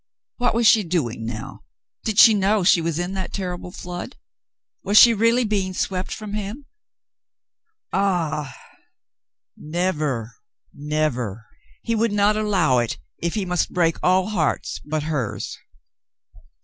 What was she doing now ? Did she know she was in that terrible flood ? Was she really being swept from him ? Ah, never, never ! He would not allow it, if he must break all hearts but hers.